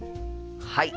はい。